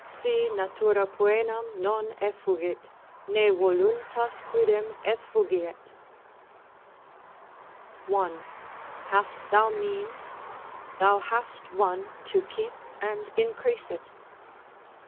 Si natura poenam non effugit, ne voluntas quidem effugiet. 1. Hast thou means? thou hast none to keep and increase it.